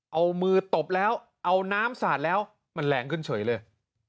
เอามือตบแล้วเอาน้ำสาดแล้วมันแรงขึ้นเฉยเลย